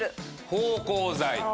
芳香剤。